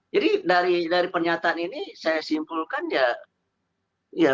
jadi dari pernyataan ini saya simpulkan ya